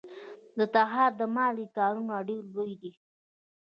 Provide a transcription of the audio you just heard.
د تخار د مالګې کانونه ډیر لوی دي